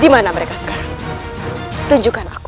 dimana mereka sekarang tunjukkan aku